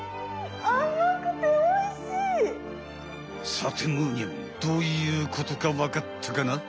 さてむーにゃんどういうことかわかったかな？